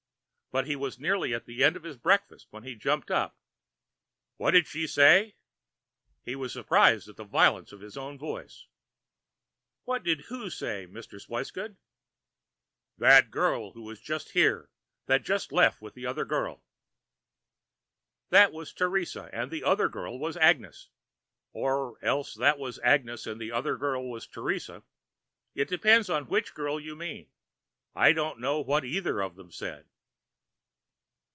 But he was nearly at the end of his breakfast when he jumped up. "What did she say?" He was surprised at the violence of his own voice. "What did who say, Mr. Swicegood?" "The girl that was just here, that just left with the other girl." "That was Teresa, and the other girl was Agnes. Or else that was Agnes and the other girl was Teresa. It depends on which girl you mean. I don't know what either of them said."